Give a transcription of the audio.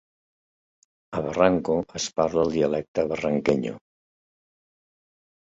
A Barrancos es parla el dialecte barranquenho.